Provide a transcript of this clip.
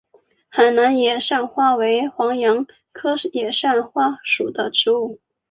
海南野扇花为黄杨科野扇花属的植物。